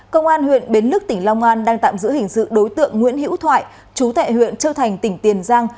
công an huyện bến lức tỉnh long an đang tạm giữ hình sự đối tượng nguyễn hữu thoại chú tại huyện châu thành tỉnh tiền giang